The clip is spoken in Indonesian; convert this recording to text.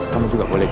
kamu juga boleh